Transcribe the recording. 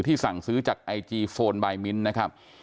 สั่งซื้อจากไอจีโฟนบายมิ้นนะครับ